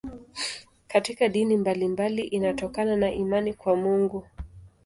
Katika dini mbalimbali inatokana na imani kwa Mungu.